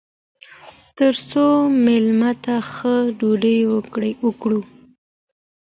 تر څو میلمه ته ښه ډوډۍ ورکړو.